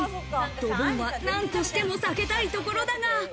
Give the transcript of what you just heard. ドボンは何としても避けたいところだが。